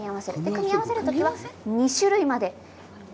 組み合わせる時は２種類まで。